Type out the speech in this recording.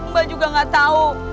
mbak juga gak tau